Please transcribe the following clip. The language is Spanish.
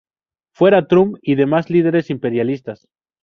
Fuera Trump y demás líderes imperialistas.